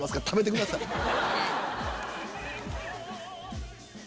食べてください。